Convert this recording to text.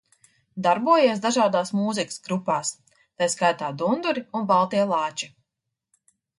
"Darbojies dažādās mūzikas grupās, tai skaitā "Dunduri" un "Baltie lāči"."